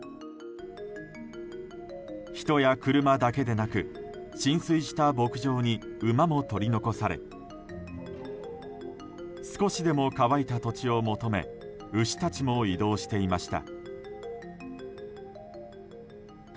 人や車だけでなく浸水した牧場に馬も取り残され少しでも乾いた土地を求め牛たちも移動していました。